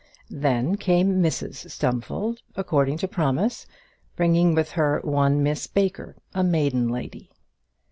Then came Mrs Stumfold, according to promise, bringing with her one Miss Baker, a maiden lady.